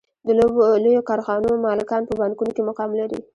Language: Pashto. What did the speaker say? د لویو کارخانو مالکان په بانکونو کې مقام لري